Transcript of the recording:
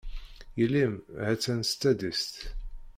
Yelli-m, ha-tt-an s tadist.